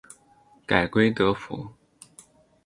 改归德府。